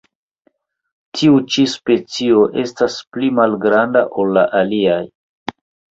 Tiu ĉi specio estas pli malgranda ol la aliaj.